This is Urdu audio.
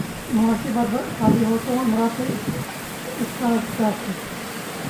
معاشی بدحالی ہو توامراء پہ اس کا کیا اثر؟